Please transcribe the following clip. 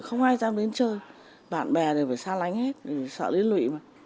không ai ra bến chơi bạn bè đều phải xa lánh hết sợ liên lụy mà